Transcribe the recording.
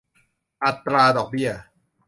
อัตราดอกเบี้ย